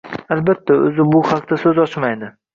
Albatta, o`zi bu haqda so`z ochmaydi